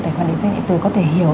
tài khoản định danh định tử có thể hiểu